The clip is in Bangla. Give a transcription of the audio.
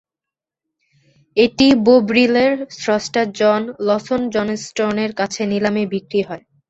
এটি বোভ্রিলের স্রষ্টা জন লসন জনস্টনের কাছে নিলামে বিক্রি হয়।